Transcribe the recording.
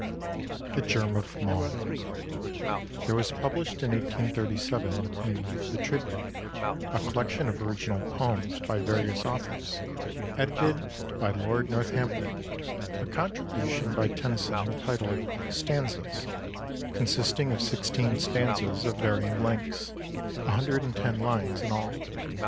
XLI =The Germ of 'Maud'= [There was published in 1837 in The Tribute, (a collection of original poems by various authors, edited by Lord Northampton), a contribution by Tennyson entitled 'Stanzas,' consisting of xvi stanzas of varying lengths (110 lines in all).